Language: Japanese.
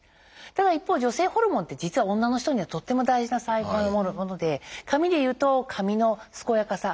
ただ一方女性ホルモンって実は女の人にはとっても大事なもので髪でいうと髪の健やかさ